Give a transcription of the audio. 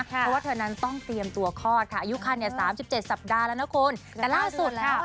เพราะว่าเธอนั้นต้องเตรียมตัวคลอดค่ะอายุค่ะเนี่ย๓๗สัปดาห์แล้วนะคุณ